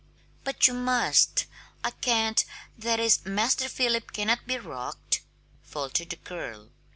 "But you must I can't that is, Master Philip cannot be rocked," faltered the girl.